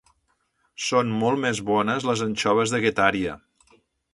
Són molt més bones les anxoves de Getaria